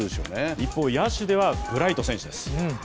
一方、野手ではブライト選手です